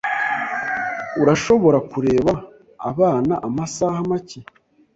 Urashobora kureba abana amasaha make?